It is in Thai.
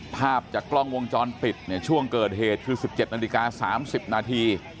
ภาพจากกล้องวงจรปิดช่วงเกิดเหตุคือ๑๗นาฬิกา๓๐นาที